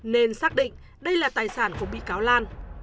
nên xác định đây là tài sản của bị cáo lan